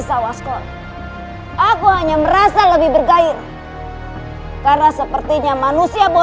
kamu mampu dan kamu juga akan mempercaya pembahagian diri kamu pada saat pertemuan sekolah